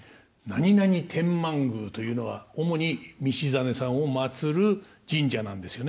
何々天満宮というのは主に道真さんを祀る神社なんですよね。